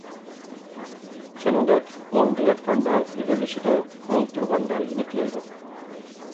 شۇنىڭدەك ئوڭدا ياتقاندا ئېغىرلىشىدۇ، ئولتۇرغاندا يېنىكلەيدۇ.